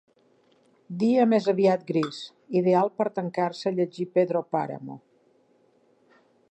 Dia més aviat gris, ideal per tancar-se a llegir Pedro Páramo.